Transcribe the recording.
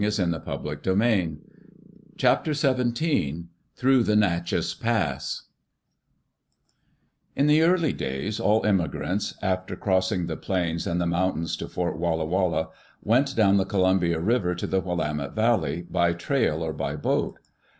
Digitized by CjOOQ IC CHAPTER XVII THROUGH THE NACHESS PASS IN early days all emigrants, after crossing the plains and the mountains to Fort Walla Walla, went down the Columbia River to the Willamette Valley, by trail or by boat.